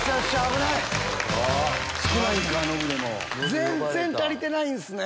全然足りてないんすね。